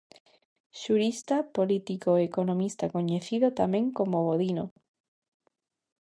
Xurista, político e economista coñecido tamén como Bodino.